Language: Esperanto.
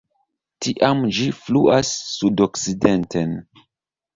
Tiam ĝi fluas sudokcidenten.